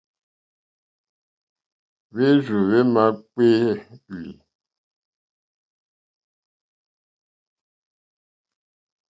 Hwérzù hwémá hwékpélí.